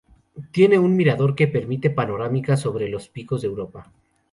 Tiene un mirador que permite panorámicas sobre los Picos de Europa.